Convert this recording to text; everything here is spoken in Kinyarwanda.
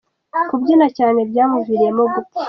Kubyina cyane byamuviriyemo gupfa